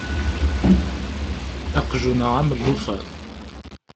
Aqjun-a am llufan.